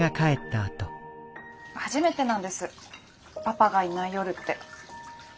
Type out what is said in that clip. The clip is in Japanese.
初めてなんですパパがいない夜って。